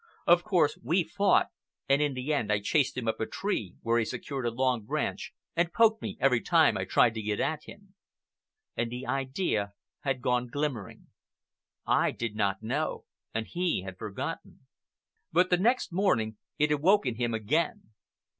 Of course we fought, and in the end I chased him up a tree, where he secured a long branch and poked me every time I tried to get at him. And the idea had gone glimmering. I did not know, and he had forgotten. But the next morning it awoke in him again.